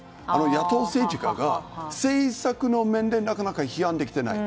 野党の政治家が政策の面でなかなか批判できていない。